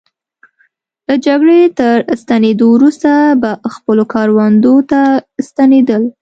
له جګړې تر ستنېدو وروسته به خپلو کروندو ته ستنېدل.